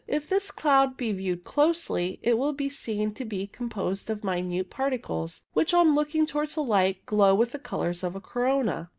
If this cloud be viewed closely, it will be seen to be composed of minute particles, which, on looking towards the light, glow with the colours of a corona.